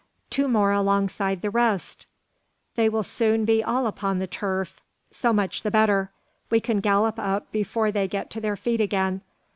Two more alongside the rest! They will soon be all upon the turf. So much the better. We can gallop up before they get to their feet again.